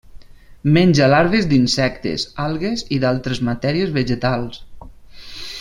Menja larves d'insectes, algues i d'altres matèries vegetals.